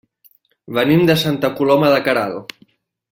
Venim de Santa Coloma de Queralt.